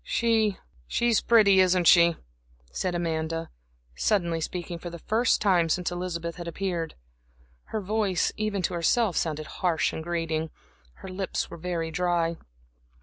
"She she's pretty isn't she," said Amanda, suddenly speaking for the first time since Elizabeth had appeared. Her voice, even to herself, sounded harsh and grating. Her lips were very dry.